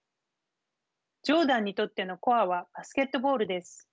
ジョーダンにとってのコアはバスケットボールです。